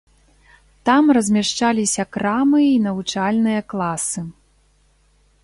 Там размяшчаліся крамы і навучальныя класы.